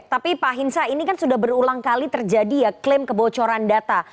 tapi pak hinsa ini kan sudah berulang kali terjadi ya klaim kebocoran data